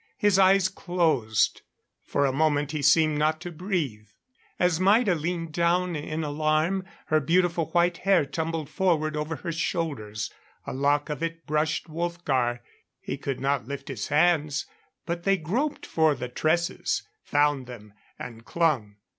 His eyes closed; for a moment he seemed not to breathe. As Maida leaned down in alarm, her beautiful white hair tumbled forward over her shoulders. A lock of it brushed Wolfgar. He could not lift his hands, but they groped for the tresses, found them and clung.